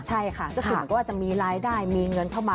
ใช่ค่ะก็คือเหมือนก็จะมีรายได้มีเงินเข้ามา